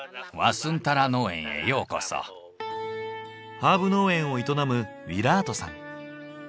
ハーブ農園を営むウィラートさん。